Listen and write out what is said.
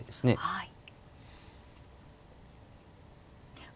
はい。